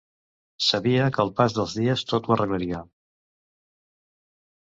Sabia que el pas dels dies tot ho arreglaria.